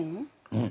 うん。